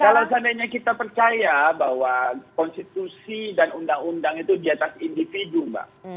kalau seandainya kita percaya bahwa konstitusi dan undang undang itu di atas individu mbak